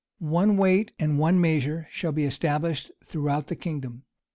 One weight and one measure shall be established throughout the kingdom.